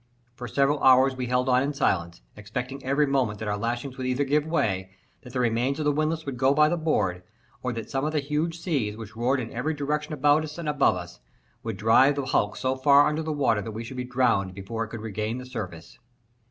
For several hours we held on in silence, expecting every moment that our lashings would either give way, that the remains of the windlass would go by the board, or that some of the huge seas, which roared in every direction around us and above us, would drive the hulk so far beneath the water that we should be drowned before it could regain the surface.